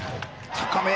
高め。